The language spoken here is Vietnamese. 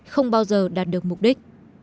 không bao giờ đạt được mục đích